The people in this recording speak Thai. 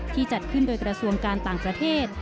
จัดขึ้นโดยกระทรวงการต่างประเทศ